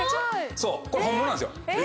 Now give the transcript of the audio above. ・そうこれ本物なんですよ。